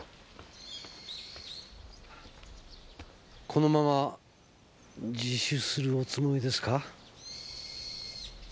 このまま自首するおつもりですか？